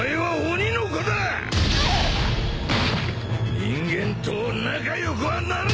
人間と仲良くはなれん！